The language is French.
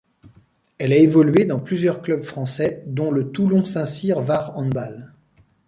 Elle a évolué dans plusieurs clubs français dont le Toulon Saint-Cyr Var Handball.